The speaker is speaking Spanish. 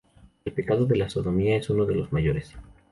El pecado de la sodomía es uno de los mayores".